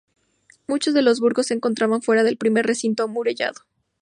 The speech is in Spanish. Muchos de los burgos se encontraban fuera del primer recinto amurallado.